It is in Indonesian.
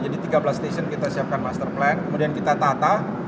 jadi tiga belas stasiun kita siapkan master plan kemudian kita tata